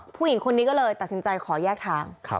ผู้หญิงคนนี้ก็เลยตัดสินใจขอแยกทาง